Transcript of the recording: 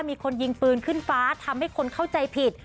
มีคนยิงปืนขึ้นฟ้าทำให้คนเข้าใจผิด